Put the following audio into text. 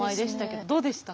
どうでしたか？